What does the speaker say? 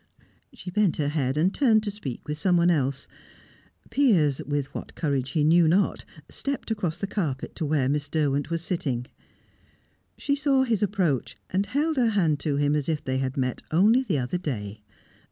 She bent her head and turned to speak with someone else. Piers, with what courage he knew not, stepped across the carpet to where Miss Derwent was sitting. She saw his approach, and held her hand to him as if they had met only the other day.